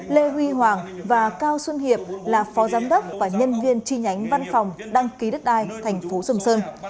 lê huy hoàng và cao xuân hiệp là phó giám đốc và nhân viên chi nhánh văn phòng đăng ký đất đai tp sầm sơn